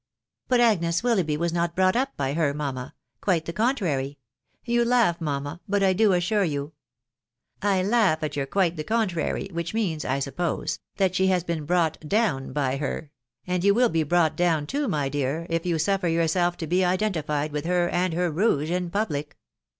"But Agnes Willoughby was not brought up by her^ mamma .... quite the contrary. ... You laugh, mamma, but I do assure you ...."" I laugh at your ' quite the contrary,' which means, I sup pose, that she has been brought down by her ; and you will be brought down too, my dear, if you suffer yourself to be identi fied with her and her rouge in public."